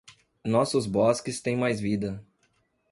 Nossos bosques têm mais vida